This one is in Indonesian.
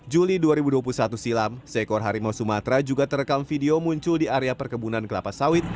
juli dua ribu dua puluh satu silam seekor harimau sumatera juga terekam video muncul di area perkebunan kelapa sawit